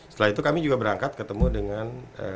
setelah itu kami juga berangkat ketemu dengan